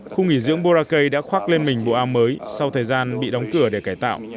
khu nghỉ dưỡng boracay đã khoác lên mình bộ ao mới sau thời gian bị đóng cửa để cải tạo